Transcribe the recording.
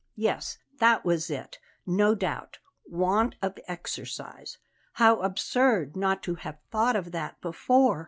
Yes, that was it, no doubt; want of exercise. How absurd not to have thought of that before!